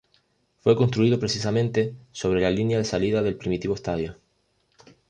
Fue construido precisamente sobre la línea de salida del primitivo estadio.